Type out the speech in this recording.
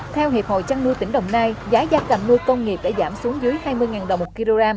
theo hiệp hội trăn nuôi tỉnh đồng nai giá gia cầm nuôi công nghiệp đã giảm xuống dưới hai mươi đồng một kg